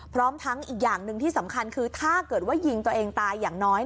พร้อมทั้งอีกอย่างหนึ่งที่สำคัญคือถ้าเกิดว่ายิงตัวเองตายอย่างน้อย